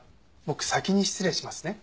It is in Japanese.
僕先に失礼しますね。